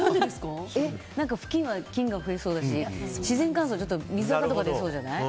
ふきんは菌が増えそうだし自然乾燥は水あかとか出そうじゃない？